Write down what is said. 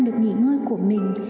được nghỉ ngơi của mình